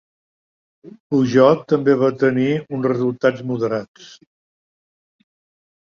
Peugeot també va tenir uns resultats moderats.